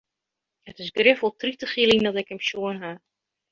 It is grif wol tritich jier lyn dat ik him sjoen ha.